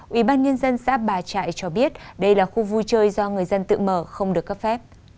ubnd xã bà trại cho biết đây là khu vui chơi do người dân tự mở không được cấp phép